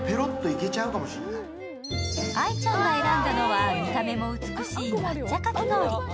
愛ちゃんが選んだのは見た目も美しい抹茶かき氷。